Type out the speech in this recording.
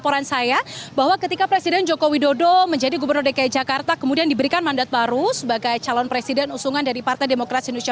pertanyaan terakhir dari pemimpin pertama ibu mevri